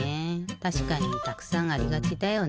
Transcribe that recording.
たしかにたくさんありがちだよね。